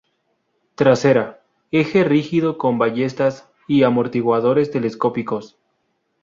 Trasera: eje rígido con ballestas y amortiguadores telescópicos.